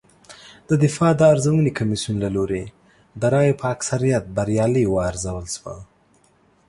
د دفاع د ارزونې کمېسیون له لوري د رایو په اکثریت بریالۍ وارزول شوه